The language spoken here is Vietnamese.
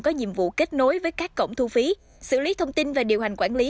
có nhiệm vụ kết nối với các cổng thu phí xử lý thông tin và điều hành quản lý